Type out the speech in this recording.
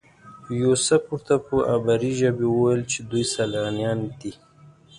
یوسف ورته په عبري ژبه وویل چې دوی سیلانیان دي.